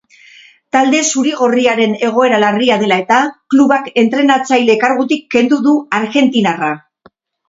Talde zuri-gorriaren egoera larria dela eta, klubak entrenatzaile kargutik kendu du argentinarra.